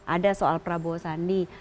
ada soal prabowo sandi